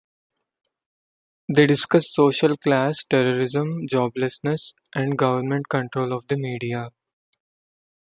They discuss social class, terrorism, joblessness, and government control of the media.